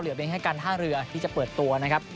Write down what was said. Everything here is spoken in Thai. เพียงแค่การท่าเรือที่จะเปิดตัวนะครับ